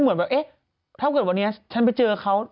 เหมือนว่าถ้าเกิดวันนี้ฉันไปเจอเขา